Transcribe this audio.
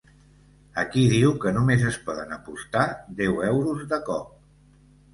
Aquí diu que només es poden apostar deu euros de cop.